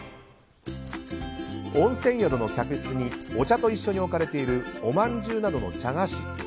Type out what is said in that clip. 温泉宿の客室にお茶と一緒に置かれているおまんじゅうなどの茶菓子。